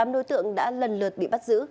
tám đối tượng đã lần lượt bị bắt giữ